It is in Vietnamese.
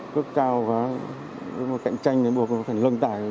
cước cao quá cạnh tranh thì buộc phải lưng tải